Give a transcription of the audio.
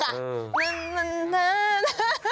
ทำไมได้เรื่อย